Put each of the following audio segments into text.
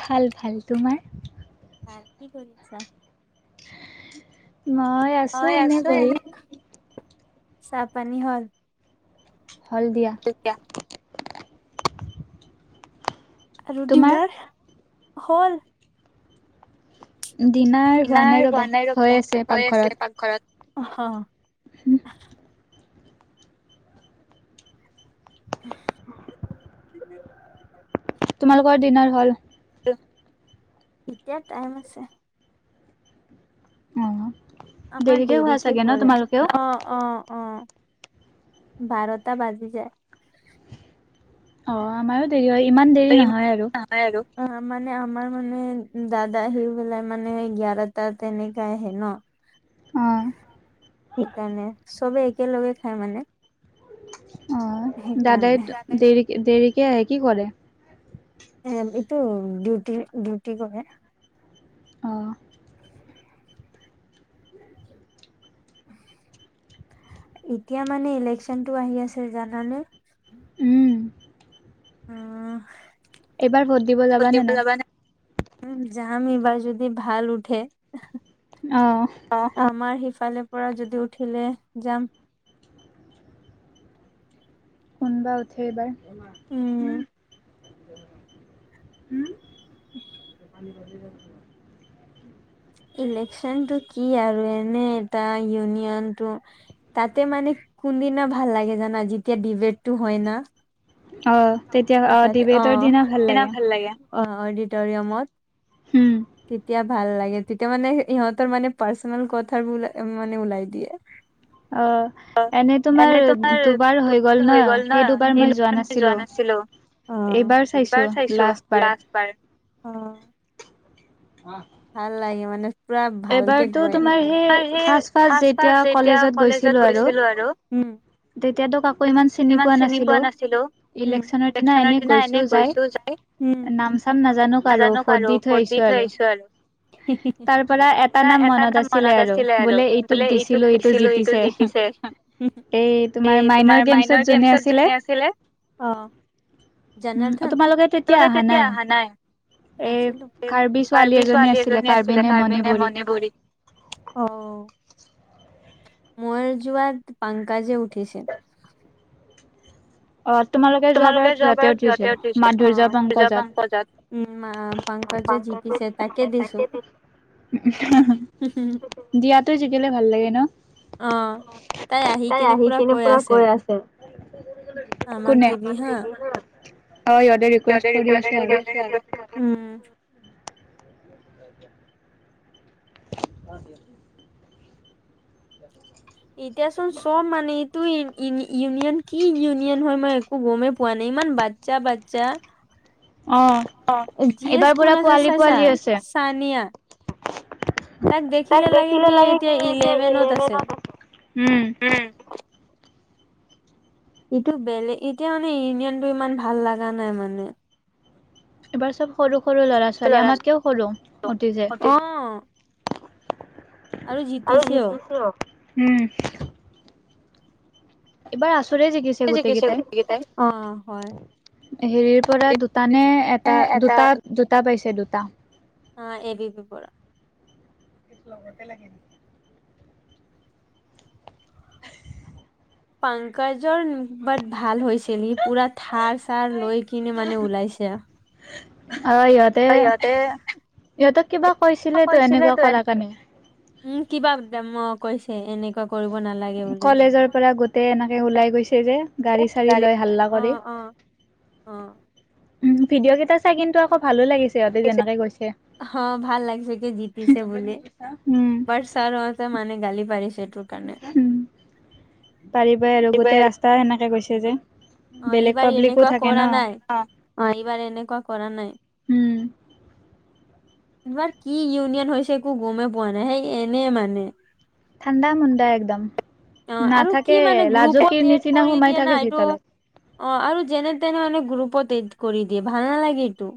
ভাল ভাল। তোমাৰ? মই আছোঁ এনেই বহি। চাহ পানী হ'ল? হ'ল দিয়া। আৰু ডিনাৰ হ'ল? ডিনাৰ হোৱা নাই ৰবা, হৈ আছে পাকঘৰত। অ'। [unintelligible] [unintelligible] তোমালোকৰ ডিনাৰ হ'ল? এতিয়া টাইম আছে। অ'। আমাৰ দেৰিকে কৰে। অ', অ', অ'। বাৰটা বাজি যায়। অ' আমাৰো দেৰি হয়, ইমান দেৰি নহয় আৰু। অ' মানে আমাৰ মানে দাদা আহি পেলাই মানে এগাৰটাত তেনেকা আহে ন'। অ'। সেইকাৰণে চবে একেলগে খায় মানে। অ' দাদাই দেৰি-দেৰিক আহে কি কৰে? এ, এইটো ডিউটি ডিউটি কৰে। অ'। [inaudible] এতিয়া মানে ইলেকচনটো আহি আছে জানানে? উম। এইবাৰ ভোট দিব যাবানে নাই? যাম এইবাৰ যদি ভাল উঠে। আমাৰ ইফালেপৰা যদি উঠিলে যাম। কোনবা উঠে এইবাৰ। হুম, হুম [unintelligible] বুজি পাইছোঁ। ইলেকচনটো কি আৰু এনে এটা ইউনিয়নটো তাতে মানে কোনদিনা ভাল লাগে জানা যেতিয়া ডিবেটটো হয় না। ইতে অ' এনে ভাল লাগে। অ' অডিটৰিয়ামত। হুম। ভাল লাগে, তেতিয়া মানে সিহঁতৰ মানে পাৰ্চনেল কথাবোৰ মানে ওলাই দিয়ে। অ' এনেই তোমাৰ তমাৰ হৈ গ'ল ন' সেই জনোৱা ছিলো, এইবাৰ চাইছোঁ লাষ্ট বাৰ। উ। ভাল লাগে মানে। পুৰা ভালকে ধৰে। সেই ফাচ ফাচ যেতিয়া কলেজত গৈছিলোঁ আৰু ইমান চিনি পোৱা নাছিলোঁ। উম, ইলেকচনৰ দিনা এনে গৈছোঁ যাই উম, নাজানো আৰু ভোট দি থৈ আহিছোঁ আৰু। তাৰ এটা নাম মনত আছিলে আৰু, বোলে এইটোক দিছিলোঁ এইটো জিকিছে। [unintelligible] এই তোমাৰ মা তোমাৰ মাইনৰ গেমছত যুনে আছিলে, অ'। জনাৰ্দন? তোমালোকে তেতিয়া আহা নাই। নাছিলোঁ। কাৰ্বি ছোৱালী এজনী আছিলে, কাৰ্বি নে মণিপুৰী। অহ, মইৰ যোৱাত পাংকাজে উঠিছিল। অ তোমালোকে যোৱাবাৰ সিহতে উঠিছে মাধুৰ্য পংকজাত। [unintelligible] দিয়াতো জিকিলে ভাল লাগে ন'। তাই আহি কেনে পোৰা কৈ আছে। কোনে? সিহঁতে ৰিকুৱেষ্ট কৰি আছে আৰু, উম, [unintelligible] এতিয়া চোন চব মানে এইটো ইউ ইউনিয়ন কি ইউনিয়ন হয় মই একো গমেই পোৱা নাই ইমান বাচ্ছা বাচ্ছা জি এছ কোন আছে চাইছা চানিয়া। তাক দেখিলে লাগে কি যে ইলেভেনত আছে। উম, ইটো বেলেগ এতিয়া মানে ইউনিয়নতটো ইমান ভাল লগা নাই মানে। এইবাৰ চব সৰু সৰু ল'ৰা ছোৱালী আমাতকেও সৰু অতী যে। আৰু জিকিছেও, উম, এইবাৰ আছুৰে জিকিছে গোটেই কেইটাই। হেৰিৰ পৰা দুটা নে এটা দুটা দুটা পাইছে দুটা। টা। অ, এবি পি পৰা। লগতে লাগে নেকি? পংকজ নিজৰ বাট ভাল হৈছিল সি পুৰা থাৰ চাৰ লৈ কিনে মানে ওলাইছে অ, ইহঁতে, ইহঁতক কিবা কৈছিল তো এনেকুৱা কৰাল কাৰণে। উম কিবা [unintelligible] কৈছে এনেকুৱা কলেজৰ পৰা গোটেই এনেকে ওলাই গৈছে যে গাড়ী চাৰী লৈ হাল্লা কৰি। অ, উম, ভিডিঅ' কেইটা চাই কিন্তু আকৌ ভালো লাগিছে। সিহতে যেনেকে গৈছে, উম, চাৰহতে মানে গালি পাৰিছিল। উম, পাৰিবই আৰু গোতেই ৰাস্তা সেনেকে গৈছে। [unintelligible] বেলেগ পাব্লিকো থাকে ন'। উম, এবাৰ কি ইউনিয়ন হৈছে একো গমেই পোৱা নাই সেই এনে মানে। ঠাণ্ডা মুণ্ডা একদম। অ, আৰু কি মানে গ্ৰুপত এড কৰি দিয়ে না এইটো অ আৰু যেনে তেনে মানে গ্ৰুপত এড কৰি দিয়ে ভাল নালাগে এইটো।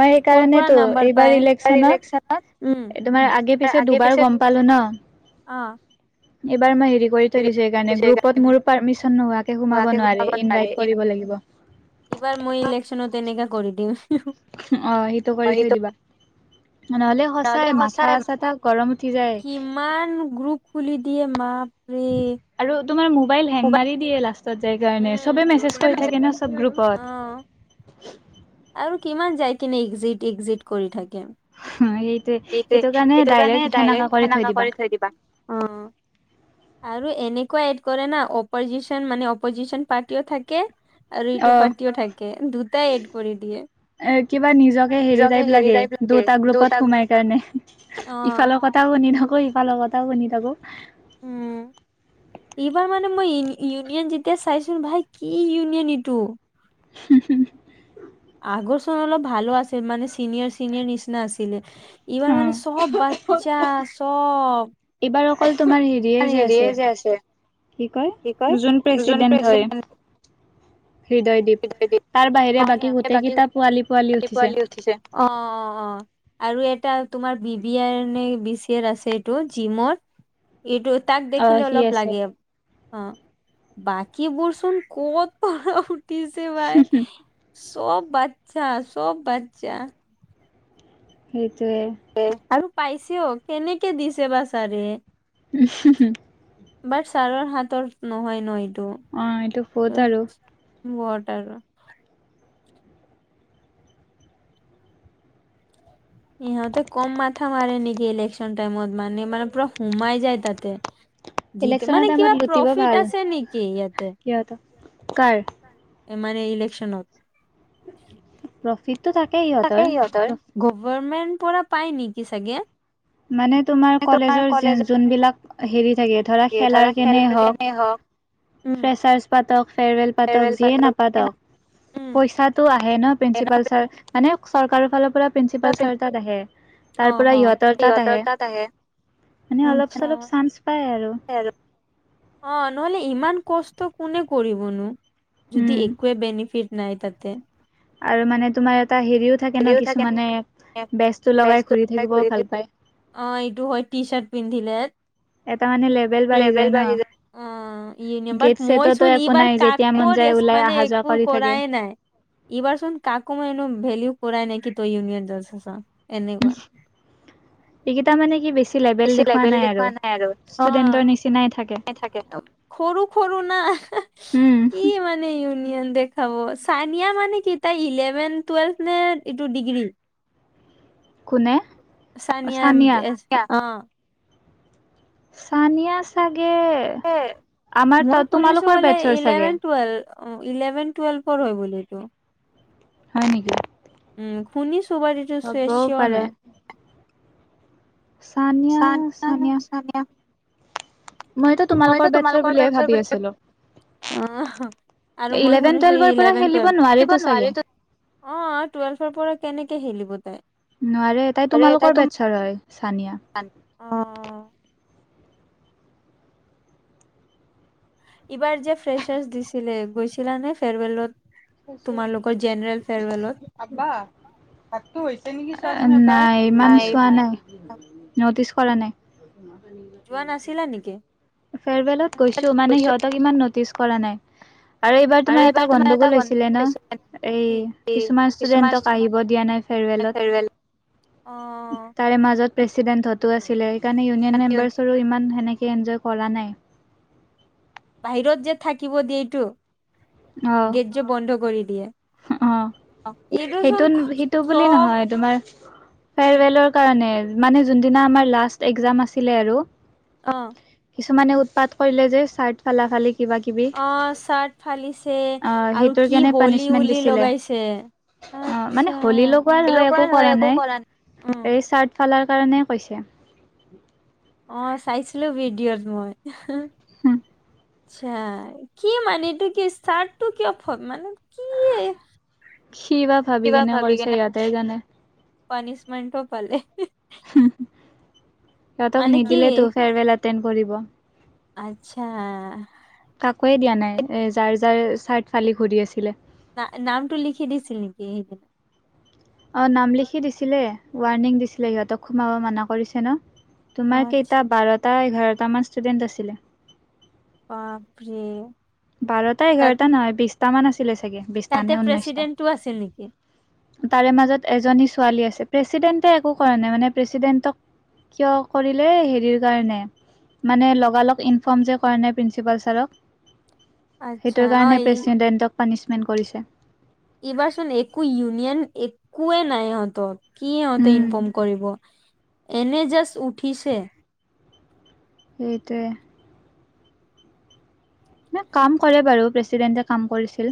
মই সেইকাৰণেটো এইবাৰ ইলেক্চনত, এই তোমাৰ আগে পিছে দুবাৰ গম প পালো না। অ, এইবাৰ মই [unintelligible] হেৰি কৰী থৈ দিছো সেইকাৰণে গ্ৰুপত মোৰ পাৰ্মিছন নলোৱাকৈ সোমোৱাব নোৱাৰে ইন্ভাইট কৰিব লাগিব। [inaudible] এইবাৰ মই ইলেকশ্যনত এনেকোৱা কৰি দিম। অ সেইটো কৰি থৈ দিবা। নহ'লে সঁচাই মাথা চাথা গৰম উঠি যায়। ইয়ে মা আৰু তোমাৰ মোবাইল হেং মাৰি দিয়ে লাচ তত যাই কাৰণে সবেই মেছেজ কৰি থাকে না সব গ্ৰুপত। আৰু কিমান যাই কিনে এক্সিট এক্সিট কৰি থাকে। সেইটোৱে সেইটো কাৰণে ডাইৰেক্ট সেনেকা কৰি থৈ দিবা। আৰু এনেকুৱা এড কৰে না অপজিশন মানে অপজিশন পাৰ্টিও থাকে। আৰু এইটো পাৰ্টিও থাকে দুটাই এড কৰি দিয়ে। এ, কিবা নিজকে হেৰি টাইপ লাগে, দুটা গ্ৰুপত সোমাই কা মানে ইফালৰ কথাও শুনি থাকো, সিফালৰ কথাও শুনি থাকো। এইবাৰ মানে মই ই, ইউনিয়ন যেতিয়া চাইচোন ভাই কি, ইউনিয়ন ইটো। হম, হম। আগৰ চোন অলপ ভালো আছিল মানে চিনিয়ৰ, চিনিয়ৰ নিচিনা আছিলে ইবাৰ মানে সব বাচ্ছা চা, সব তোমাৰ হেৰিয়ে যে আছে কি কয় যোন প্ৰেচিডেন্ট হয়। হৃদয়দ্বীপ। অ, সে, বাকী, বাকী পোৱালি উঠিছে অ', অ', অ', আৰু এ। এটা তোমাৰ বি, বি, আইৰ নে, বি, চি, এৰ আছে, এইটো জিমৰ এইটো তাক দেখিলে অলপ লাগে আৰ। অ, বাকীবোৰচোন ক'ত পৰা উঠিছে ভাই। সব বাচ্ছা, সব বাচ্ছা। সেই এ, আৰু পাইছে অ, কেনেকে দিছে বা ছাৰে উম, হম, হম। বাট, ছাৰৰ হাতৰ নহয়, নয়। অ, এইটো ক'ত আৰু। [unintelligible] আৰু ইহঁতে কম মাথা মাৰে নেকি ইলেক্চন টাইমত মানে মানে পুৰা সোমাই যায় তাতে যিতি মানে কিবা প্ৰফিট আছে নেকি ইয়াতে কাৰ এমানে ইলেকশ্যনত থাকে ইহতৰ গভৰ্মেন পৰা পাই নেকি চাগে মানে তোমাৰ কলেজৰ যুনবিলাক হেৰি চাগে ধৰা খেলাৰ কেনে হওক ফ্ৰেছাৰছ পাতক ফেয়ৰৱেল পাতক যিয়ে নাপাতক পইচাটো আহে ন প্ৰিন্সিপাল ছাৰ মানে চৰকাৰৰ ফালৰ পৰা প্ৰিন্সিপাল ছাৰ তাত আহে তাৰ পৰা ইহঁতৰ ত, তাত আহে, আচ্ছা ফে অ, নহলে ইমান কষ্ট কোনে কৰিবনো। যদি একোৱে বেনিফিট নাই তাতে। আৰু মানে তোমাৰ ইয়াত এটা হেৰিও থাকে ন, কিছুমানে বেচটো লগাই ঘূৰি থাকিবও ভাল পায়। অ, এইটো হয়, টি, চাৰ্ট পিন্ধিলে লেবেল বাঢ়ি যাই। উম, বাত মই চোন এইবাৰ কাকো মানে একো কৰা নাই, এইবাৰ চোন কাকো মইনেও ভেল কৰা নেকি তই ইউনিয়ন চাচা এনেকুৱা এইকেইটা মানে কি বেছি লেভেল দেখুওা নাই আৰু ষ্টুডেন্টৰ নিচিনা থাকে, ট, সৰু, সৰু, না, কি মানে ই ভেল দেখাব ছানিয়া মানে কি তাই ইলেৱেন টোৱেলভ নে এইটো ডিগ্ৰী কোনে চানিয়াম অ'। চানিয়া, চা মই শুনিছো বোলে, ইলেভেন, টোৱেলভ অ, ইলেভেন টুৱেল্ভৰ হয় বুলি এইটো। হয় নেকি? উম, শুনিছোঁ বাত এইটো চি-চিয়ৰ নাই। চানিয়া, চানিয়া মইতো তোমালোকৰ বেটচৰ বুলিহে ভ অহ, আৰু মই শুনিছোঁ ইলেভেন টুৱেলভ কিবা নোবাৰি অহ, টুৱেল্ভৰ পৰা কেনেকে খেলিব তাই। নোৱাৰে, তাই তোমালোকৰ বেটচাৰ হয় চানিয়া। অহ ইবাৰ যে ফ্ৰেছাৰছ দিছিলে, গৈছিলা নে ফেৰৱেলত গৈছোঁ। আঁবা ভাতটো হৈছে নেকি চোৱাচোন? নাই। ইমান চোৱা নাই। নটিচ কৰা নাই। যোৱা নাছিলা নেকি? ফেৰৱেলত গৈছো মানে সিহঁতক ইমান নটিচ কৰা নাই। আৰু এইবাৰ তোমাৰ এটা গণ্ডগোল হৈছিলে ন'। এই কিছুমান ষ্টুডেন্টক আহিব দিয়া নাই ফেৰৱেলত। তাৰে মাজত প্ৰেচিডেন্ট হত হটো আছিলে, সেইকাৰণে ইউনিয়ন মেম্বাৰচৰো ইমান সেনেকে এনজয় কৰা নাই। বাহিৰত যে থাকিব দিয়ে এইটো, গেট যে বন্ধ কৰি দিয়ে। অহ, সেইটো সেইটো বুলি নহয় তোমাৰ ফেৰৱেলৰ কাৰণে মানে যোনদিনা আমাৰ লাষ্ট এক্সাম আছিলে আৰু। অহ। কিছুমানে উৎপাত কৰিলে যে চাৰ্ট ফালা ফালি অহ, চাৰ্ট ফালিছে আৰু কি হোলী উলি লগাইছে। অহ, মানে হোলী লগোৱাৰ হয় একো কৰা নাই। এই চাৰ্ট ফালাৰ কাৰণে কৈছে। অহ, চাইছিলোঁ ভিডিঅ'ত মই। হম। আচ্ছা কি মানে এইটো কি চাৰ্টতো কিয় ফলা অহ, মানে কি বা ভাবি কিনে কৰিছে ইহঁতেহে জানে। পানিচমেণ্টো পালে। সিহঁতক নিদিলেতো ফেৰৱেল এণ্টেত কৰিব। আচ্ছা। কাকোৱে দিয়া নাই এ যাৰ যাৰ চাৰ্ট ফালি ঘূৰি আছিলে। না-নামটো লিখি দিছিল নেকি সেইদিনা। অহ, নাম লিখি দিছিলে, ৱাৰ্ণিং দিছিলে সিহঁতক সোমাব মানা কৰিছে ন। তোমাৰ কেইটা বাৰটা এঘাৰটামান ষ্টুডেণ্ট আছিলে। বাপৰে। বাৰটা এঘাৰটা নহয়, বিশটামান আছিলে চাগে বিশটা নে ঊনৈশটা। তাৰে মাজত এজনী ছোৱালী আছে। প্ৰেচিডেণ্টে একো কৰা নাই মানে প্ৰেছিডেণ্টক কিয় কৰিলে, হেৰিৰ কাৰণে। মানে লগালগ ইনফৰ্ম যে কৰা নাই প্ৰিন্সিপাল ছাৰক। সেইটোৰ কাৰণে প্ৰেছিডেণ্টক পানিছমেণ্ট কৰিছে। এইবাৰ চোন একো ইউনিয়ন একেৱে নাই ইহঁতৰ। কি ইহঁতে ইনফৰ্ম কৰিব, এনেই জাষ্ট উঠিছে। এইটোৱে। এনে কাম কৰে বাৰু প্ৰেচিডেণ্টে কাম কৰিছিল।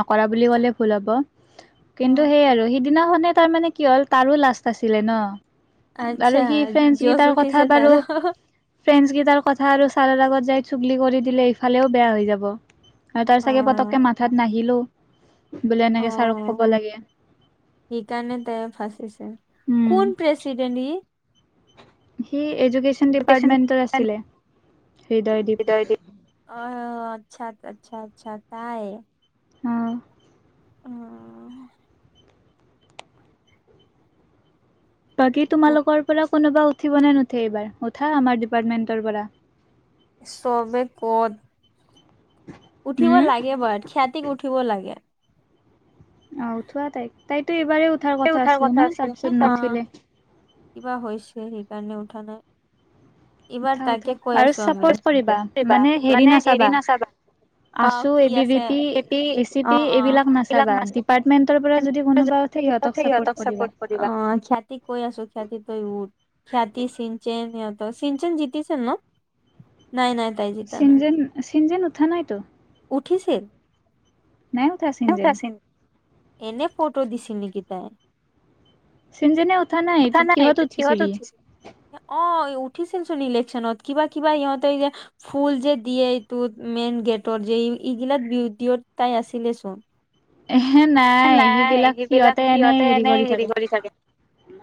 নকৰা বুলি ক'লে ভুল হ'ব, কিন্তু সেই আৰু সিদি দিদিনাখনেই তাৰমানে কি হ'ল তাৰো লাষ্ট আছিলে ন'। আৰু সি ফ্ৰেন্স গেইটাৰ কথা বাৰু ফ্ৰেন্স কেইটাৰ কথা আৰু ছাৰৰ আগত যায় চুগলি কৰি দিলে ইফালেও বেয়া হৈ যাব হয় তাৰ চাগে পতককৈ মাথাত নাহিলোঁ বোলে এনেকে ছাৰক ক'ব লাগে সকাৰণে ত ফাচিছে কোন প্ৰেছিডেট ই সি এডুকেশ্যন ডিপাৰ্টমেণ্টৰ আছিলে হৃদয়দ্বীপ অ', চ্ছা- আচ্ছা -আচ্ছা তাই অ', অ', বাকী তোমালৰ পৰাোনো উঠিব নে নুঠে এইবাৰ উঠা আমাৰৰ ডিপাৰ্টমেণ্টৰ পৰা 'বে গত উঠিব লাগে বাৰু খ্যাতিক উঠিব লাগে আহ উঠোৱা তাইক তাইতো উঠাৰ কথা আছিল ন কিিবা হৈছে সেইকাৰণে উঠ ঠানে এইবাৰ তাকে কৈ আছো আমিা মানে হেৰি নাচাবা [inaudible] অ', িক আছে খেতি অ অ এইবিলাক না [inaudible] সহতক খাতি কৈ আছো খতি- খতি- চিন -চেন চিঞ্চন জিতিছে ন- নাই -নাই চিন যেন -চিন যেন উঠা নাইতো উঠিছে নাই উঠা চিঞ্জন এনে ফটো দিছিল নেকি তাই নাই তেতি অ', [inaudible] উঠিছিল চোন ইলেক্যনত কিবা কিবা সিহঁতে যে ফুল যে দিয়ে এইটো মেইন গেটৰ যে ইগিলাত বি ডিঅত তাই আছিলেচোন এ নাই সেইবিলাক সিহঁতে এনেই হেৰি কৰি থাকে